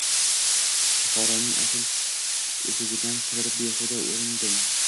Buxoroning asl uzugidan qidirib behuda urindim.